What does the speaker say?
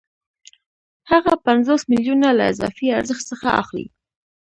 هغه پنځوس میلیونه له اضافي ارزښت څخه اخلي